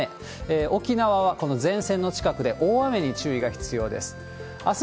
沖縄はこの前線の近くで大雨に注意が必要です。